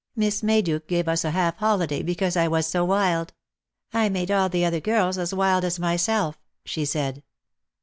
Miss Mayduke gave us a half holiday because I was so wild. I made all the other girls as wild as myself," she said.